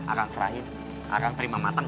akang serahin akang terima mateng